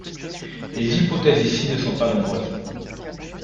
Les hypothèses ici ne sont pas nombreuses.